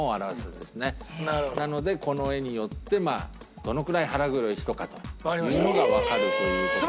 なのでこの絵によってどのくらい腹黒い人かというのがわかるという事なんですが。